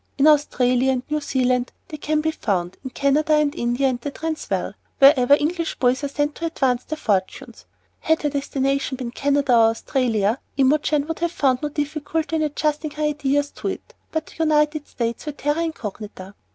In Australia and New Zealand they are to be found, in Canada, and India, and the Transvaal, wherever English boys are sent to advance their fortunes. Had her destination been Canada or Australia, Imogen would have found no difficulty in adjusting her ideas to it, but the United States were a terra incognita.